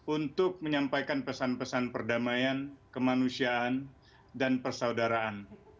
untuk menyampaikan pesan pesan perdamaian kemanusiaan dan persaudaraan